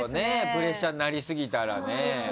プレッシャーになりすぎたらね。